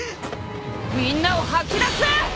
みんなを吐き出せ！